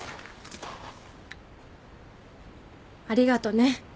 ありがとね